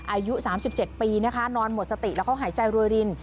อายุสามสิบเจ็ดปีนะคะนอนหมดสติแล้วก็หายใจรวยริน